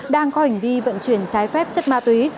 đang có hành vi vận chuyển trái phép chất ma túy